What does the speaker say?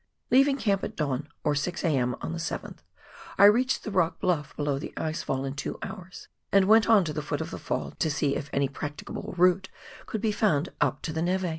Leaving camp at dawn, or 6 a.m., on the 7th, I reached the rock bluff below the ice fall in two hours, and went on to the foot of the fall to see if any practicable route could be found up to the neve.